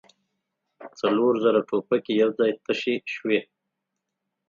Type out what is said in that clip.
څلور زره ټوپکې يو ځای تشې شوې.